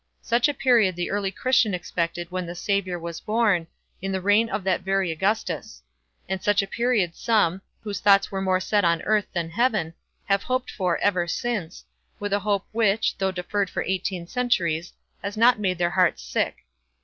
Such a period the early Christian expected when the Saviour was born, in the reign of that very Augustus; and such a period some, whose thoughts are more set on earth than heaven, have hoped for ever since, with a hope which, though deferred for eighteen centuries, has not made their hearts sick.